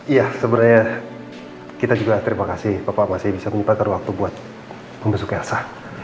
iya sebenarnya kita juga terima kasih bapak masih bisa meminta taruh waktu buat membesuk elsa